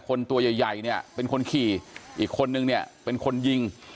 ตัวใหญ่ใหญ่เนี่ยเป็นคนขี่อีกคนนึงเนี่ยเป็นคนยิง